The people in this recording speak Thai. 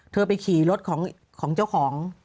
เธอไปขี่รถของเจ้าของ